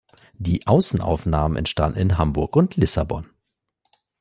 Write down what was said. Die Außenaufnahmen entstanden in Hamburg und Lissabon.